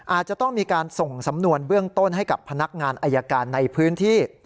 อาจจะต้องมีการส่งสำนวนเบื้องต้นให้กับพนักงานอายการในพื้นที่